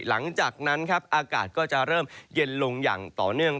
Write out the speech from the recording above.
หลังจากนั้นครับอากาศก็จะเริ่มเย็นลงอย่างต่อเนื่อง